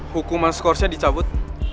hukuman scores nya dicabut